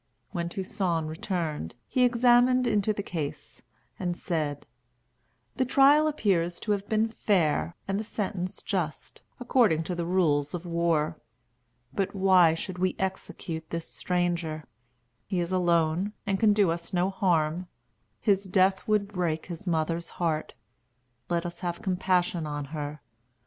When Toussaint returned, he examined into the case, and said: "The trial appears to have been fair, and the sentence just, according to the rules of war. But why should we execute this stranger? He is alone, and can do us no harm. His death would break his mother's heart. Let us have compassion on her.